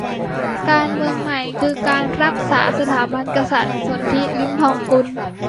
การเมืองใหม่คือการรักษาสถาบันกษัตริย์ - สนธิ ลิ้มทองกุล